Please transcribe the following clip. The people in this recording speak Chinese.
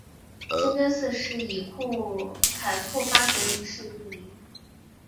清真寺是以凯库巴德一世命名。